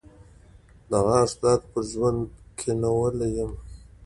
د غاښ درد پر ژرنده کېنولی يم.